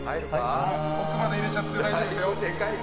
奥まで入れちゃって大丈夫です。